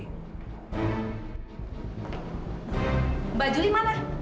aku mencintaimu lebih dari nyawa ku sendiri